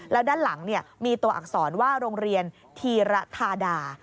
แล้วด้านหลังมีตัวอักษรว่าโรงเรียนธีระธาดา